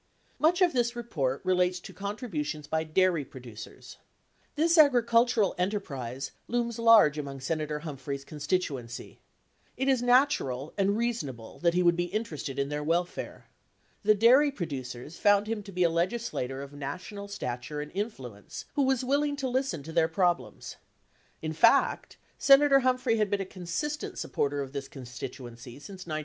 Much of this report relates to contributions by dairy producers. This agricultural enterprise looms large among Senator Humphrey's con stituency. It is natural and reasonable that he would be interested in their welfare. The dairy producers found him to be a legislator of national stature and influence who was willing to listen to their prob lems. In fact Senator Humphrey had been a consistent supporter of this constituency since 1949.